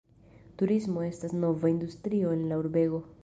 Turismo estas nova industrio en la urbego.